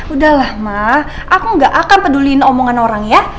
udah lah ma aku nggak akan peduliin omongan orang ya